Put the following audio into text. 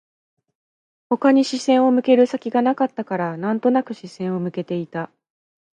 他に視線を向ける先がなかったから、なんとなく視線を向けていた